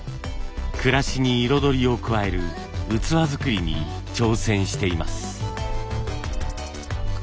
暮らしに彩りを加える器づくりに挑戦しています。